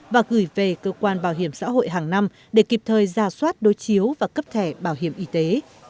và gửi về cơ quan bảo hiểm xã hội hàng năm để kịp thời ra soát đối chiếu và cấp thẻ bảo hiểm y tế